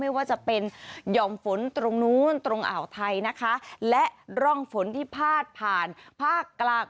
ไม่ว่าจะเป็นหย่อมฝนตรงนู้นตรงอ่าวไทยนะคะและร่องฝนที่พาดผ่านภาคกลาง